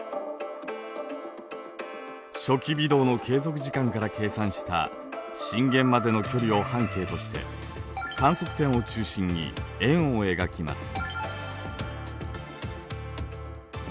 初期微動の継続時間から計算した震源までの距離を半径として観測点を中心に円を描きます。